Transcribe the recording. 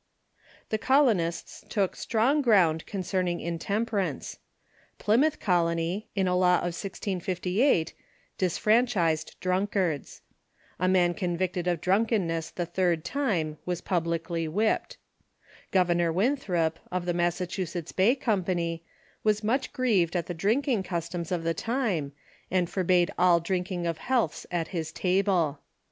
] The colonists took strong ground concerning intemperance. Plymouth Colony, in a law of 1658, disfranchised drunkards. A man convicted of drunkenness the third time Early Warnings i i i i i n itt ,1 r was puuhcly whipped. Governor \v inthrop, 01 the Massachusetts Bay Company, Avas much grieved at tlie drinking customs of the time, and forbade all drinking of healths at his table.